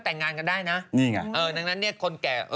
แต่งงานกันได้นะ